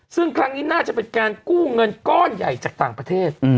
ซึ่งครั้งนี้น่าจะเป็นการกู้เงินก้อนใหญ่จากต่างประเทศ